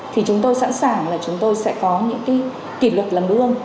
thì chúng tôi sẵn sàng là chúng tôi sẽ có những kỷ lực làm đương